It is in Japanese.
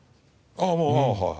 ああもうはい。